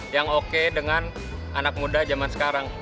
yang oke dengan anak muda zaman sekarang